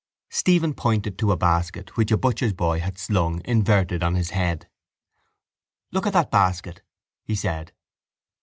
Stephen pointed to a basket which a butcher's boy had slung inverted on his head. —Look at that basket, he said.